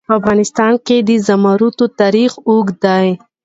په افغانستان کې د زمرد تاریخ اوږد دی.